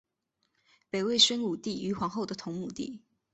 北魏宣武帝于皇后的同母弟。